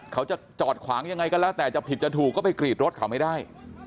เขาจะจอดขวางยังไงก็แล้วแต่จะผิดจะถูกก็ไปกรีดรถเขาไม่ได้